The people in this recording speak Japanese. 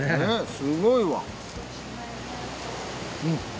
すごいわ。